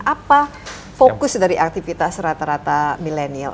apa fokus dari aktivitas rata rata milenial